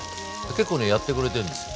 結構ねやってくれてんですよ。